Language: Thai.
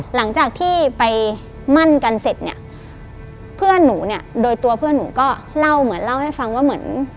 หลังจากที่ไปมั่นกันเสร็จเนี่ยเพื่อนหนูเนี่ยโดยตัวเพื่อนหนูก็เล่าเหมือนเล่าให้ฟังว่าเหมือน